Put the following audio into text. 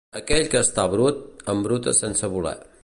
Aquell que està brut, embruta sense voler.